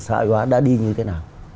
sợi hóa đã đi như thế nào